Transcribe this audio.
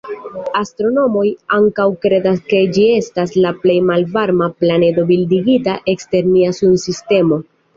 Astronomoj ankaŭ kredas ke ĝi estas la plej malvarma planedo bildigita ekster nia Sunsistemo.